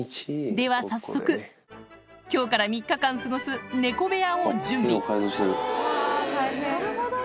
では、早速、きょうから３日間過ごす猫部屋を準備。